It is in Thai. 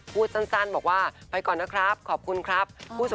พูดสั้นบอกว่าไปก่อนนะครับขอบคุณครับ